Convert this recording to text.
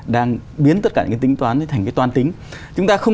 đang biến tất cả những tính toán